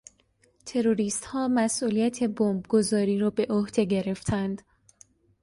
تروریستها مسئولیت بمبگذاری را به عهده گرفتند.